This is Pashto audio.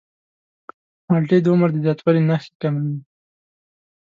مالټې د عمر د زیاتوالي نښې کموي.